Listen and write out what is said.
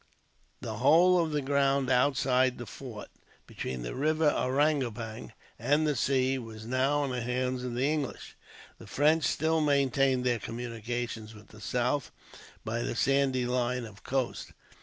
The whole of the ground outside the fort, between the river Ariangopang and the sea, was now in the hands of the English. The French still maintained their communications with the south by the sandy line of coast.